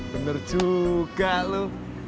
bener juga lu